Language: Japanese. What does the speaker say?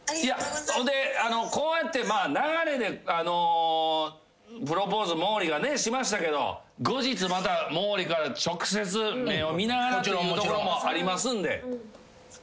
こうやってまあ流れであのプロポーズ毛利がねしましたけど後日また毛利から直接目を見ながらっていうのもありますんで。